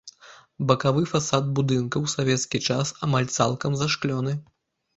Бакавы фасад будынка ў савецкі час амаль цалкам зашклёны.